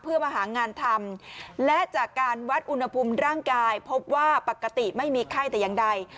เพื่อมาหางานทำและจากการวัดอุณหภูมิร่างกายพบว่าปกติไม่มีไข้แต่อย่างใด